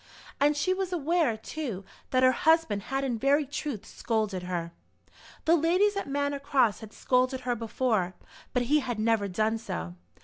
And she was aware, too, that her husband had in very truth scolded her. The ladies at Manor Cross had scolded her before, but he had never done so.